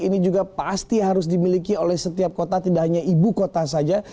ini juga pasti harus dimiliki oleh setiap kota tidak hanya ibu kota saja